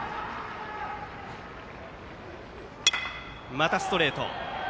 またストレート。